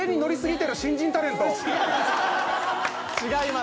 違います。